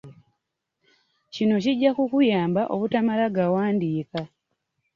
Kino kijja kukuyamba obutamala gawandiika